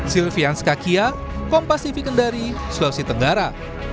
sylvian skakia kompas tv kendari sulawesi tenggara